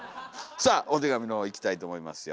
さあお手紙の方いきたいと思いますよ。